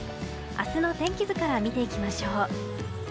明日の天気図から見ていきましょう。